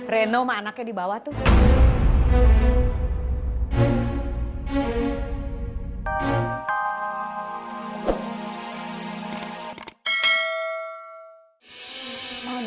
reno sama anaknya di bawah tuh